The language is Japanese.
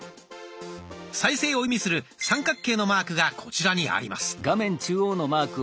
再生を意味する三角形のマークがこちらにあります。